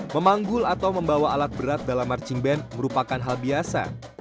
memanggul atau membawa alat berat dalam marching band merupakan hal biasa